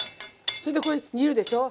それでこれ煮るでしょ